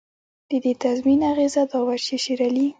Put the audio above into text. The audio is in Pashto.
د دې تضمین اغېزه دا وه چې شېرعلي.